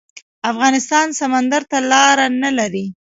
افغانستان سمندر ته لاره نلري